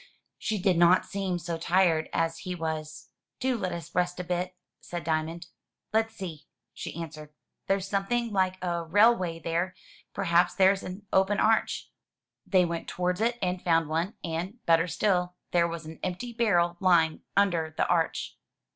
She did not seem so tired as he was. "Do let us rest a bit,*' said Diamond. "Let's see,'* she answered. "There's something like a rail way there. Perhaps there's an open arch." They went towards it and found one, and, better still, there was an empty barrel lying under the arch.